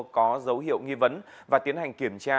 có dấu hiệu nghi vấn và tiến hành kiểm tra